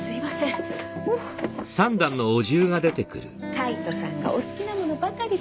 カイトさんがお好きなものばかりです。